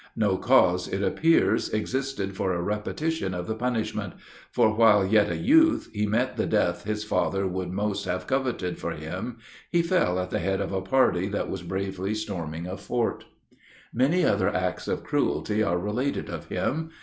No cause, it appears, existed for a repetition of the punishment; for while yet a youth, he met the death his father would have most coveted for him. He fell at the head of a party that was bravely storming a fort. Many other acts of cruelty are related of him.